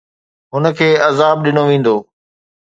هن کي عذاب ڏنو ويندو